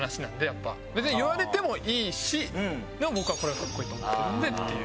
別に言われてもいいし「でも僕はこれがかっこいいと思ってるんで」っていう。